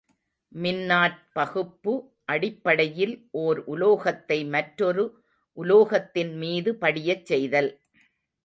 மின்னாற் பகுப்பு அடிப்படையில் ஒர் உலோகத்தை மற்றொரு உலோகத்தின் மீது படியச் செய்தல்.